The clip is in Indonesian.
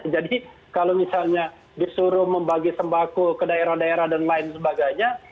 jadi kalau misalnya disuruh membagi sembako ke daerah daerah dan lain sebagainya